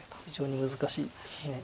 非常に難しいです。